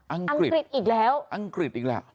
อังกฤษอีกแล้วอังกฤษอีกแล้ว